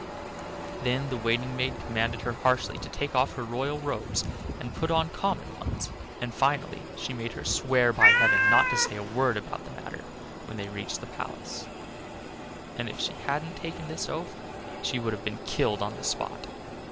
Then the waiting maid commanded her harshly to take off her royal robes, and to put on her common ones, and finally she made her swear by heaven not to say a word about the matter when they reached the palace; and if she hadn't taken this oath she would have been killed on the spot.